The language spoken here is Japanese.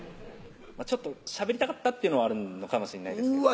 ちょっとしゃべりたかったっていうのはあるのかもしれないうわ